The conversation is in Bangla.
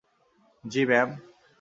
জ্বি, ম্যাম?